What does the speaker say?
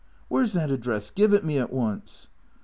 " Where 's that address? Give it me at once."